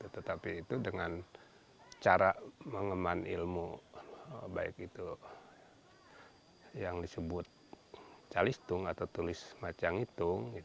tetapi itu dengan cara mengeman ilmu baik itu yang disebut calistung atau tulis macang itu